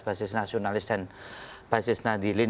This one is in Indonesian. basis nasionalis dan basis nadilin